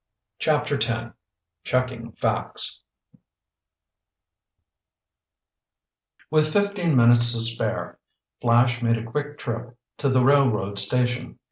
CHAPTER X CHECKING FACTS With fifteen minutes to spare, Flash made a quick trip to the railroad station.